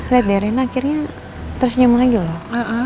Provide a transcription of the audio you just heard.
liat deh rena akhirnya tersenyum lagi loh